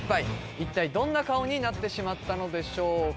一体どんな顔になってしまったのでしょうか？